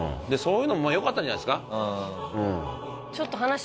そういうのもよかったんじゃないですか？